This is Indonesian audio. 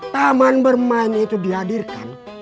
taman bermain itu dihadirkan